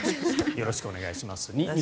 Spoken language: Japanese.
よろしくお願いします。